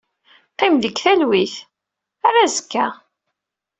Qqim deg talwit. Ar azekka.